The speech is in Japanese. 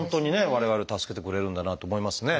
我々を助けてくれるんだなと思いますね。